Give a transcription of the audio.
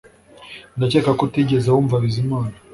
Ndakeka ko utigeze wumva Bizimana